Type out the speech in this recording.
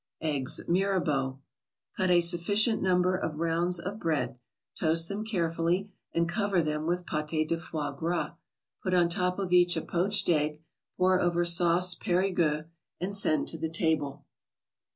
EGGS MIRABEAU Cut a sufficient number of rounds of bread, toast them carefully and cover them with pate de foie gras, put on top of each a poached egg, pour over sauce Perigueux, and send to the table.